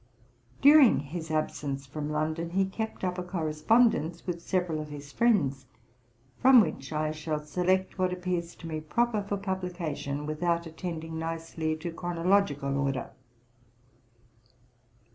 During his absence from London he kept up a correspondence with several of his friends, from which I shall select what appears to me proper for publication, without attending nicely to chronological order.